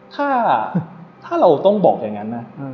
ถ้าเราต้องบอกอย่างนั้นนะ